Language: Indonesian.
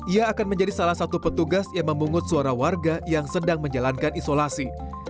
ia akan menjadi salah satu petugas yang memungut suara warga yang sedang menjalankan isolasi